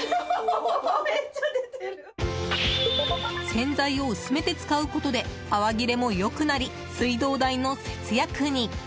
洗剤を薄めて使うことで泡切れも良くなり水道代の節約に。